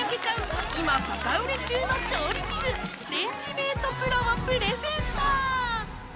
今バカ売れ中の調理器具レンジメートプロをプレゼント！